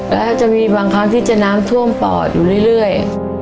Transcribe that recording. แล้วจะมีบางครั้งที่จะน้ำท่วมปอดอยู่เรื่อย